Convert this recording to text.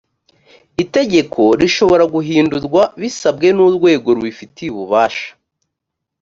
itegeko rishobora guhindurwa bisabwe n’urwego rubifitiye ububasha